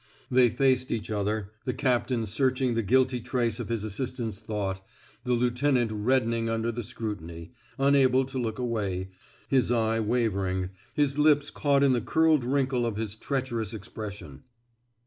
They faced each other, the captain searching the guilty trace of his assistant's thought, the lieutenant reddening under the scrutiny, unable to look away, his eye wavering, his lips caught in the curled wrinkle of his treacherous expression.